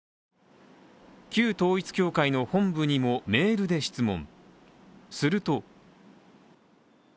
旧統一教会の本部にもメールで質問。